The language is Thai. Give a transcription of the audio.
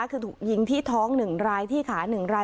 คือถูกยิงที่ท้องหนึ่งรายที่ขาหนึ่งราย